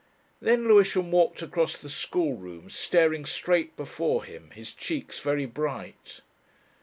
Then Lewisham walked across the schoolroom, staring straight before him, his cheeks very bright.